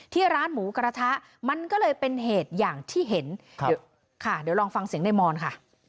พี่กะหน่ำยิงไปโดนบ้านโดนรถ